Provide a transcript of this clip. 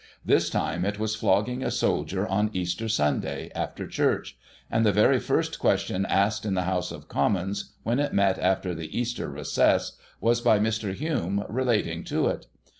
This time it was flogging a soldier on Easter Sunday, after Church ; and the very first question asked in the House of Commons, when it met after the Easter recess, was by Mr. Hume, relating to it.